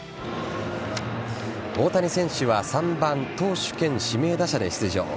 大谷選手は３番・投手兼指名打者で出場。